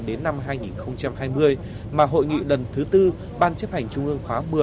đến năm hai nghìn hai mươi mà hội nghị lần thứ tư ban chấp hành trung ương khóa một mươi